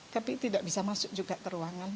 tapi tidak bisa masuk juga ke ruangan